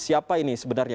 siapa ini sebenarnya